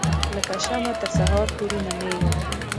لکه شمعه تر سهار پوري ننیږم